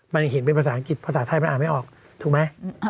มันเห็นเป็นภาษาอังกฤษภาษาไทยมันอ่านไม่ออกถูกไหม